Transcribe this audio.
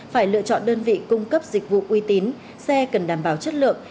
phải lựa chọn đơn vị cung cấp dịch vụ uy tín xe cần đảm bảo chất lượng